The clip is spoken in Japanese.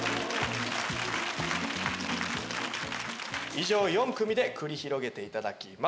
以上４組で繰り広げていただきます。